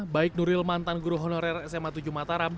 baik nuril mantan guru honorer sma tujuh mataram